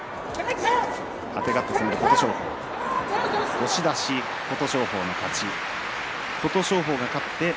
押し出し琴勝峰の勝ち。